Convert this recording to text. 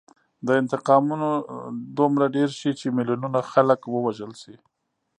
دا انتقامونه دومره ډېر شي چې میلیونونه خلک ووژل شي